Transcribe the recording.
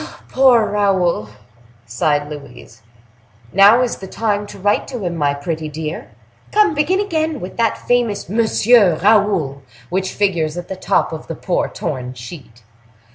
"Poor Raoul!" sighed Louise. "Now is the time to write to him, my pretty dear! Come, begin again, with that famous 'Monsieur Raoul' which figures at the top of the poor torn sheet."